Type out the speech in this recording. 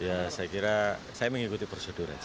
ya saya kira saya mengikuti prosedur ya